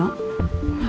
yan nenggut ga mahn